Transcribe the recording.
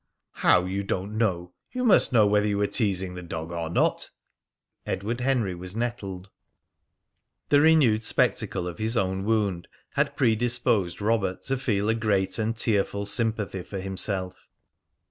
"How, you don't know? You must know whether you were teasing the dog or not!" Edward Henry was nettled. The renewed spectacle of his own wound had predisposed Robert to feel a great and tearful sympathy for himself.